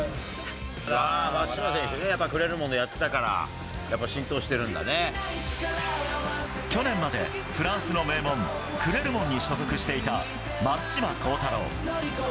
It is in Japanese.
松島選手ね、やっぱクレルモンでやってたから、去年までフランスの名門、クレルモンに所属していた松島幸太朗。